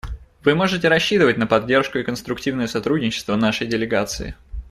Вы можете рассчитывать на поддержку и конструктивное сотрудничество нашей делегации.